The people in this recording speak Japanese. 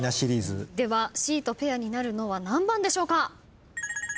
ではＣとペアになるのは何番でしょうか？